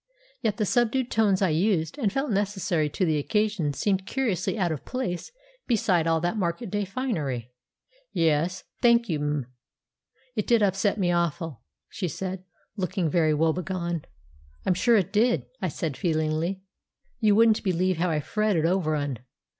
Yet the subdued tones I used and felt necessary to the occasion seemed curiously out of place beside all that market day finery. "Yes, thank you, m'm; it did upset me awful," she said, looking very woe begone. "I'm sure it did," I said feelingly. "You wouldn't believe how I fretted over 'un.